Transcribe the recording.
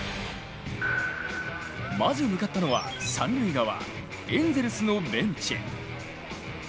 まず向かったのは三塁側、エンゼルスのベンチ。